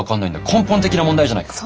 根本的な問題じゃないか。